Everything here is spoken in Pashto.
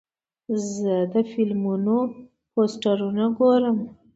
زه د فلمونو پوسټرونه ګورم.